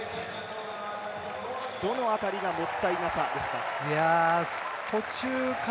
どの辺りがもったいなさですか？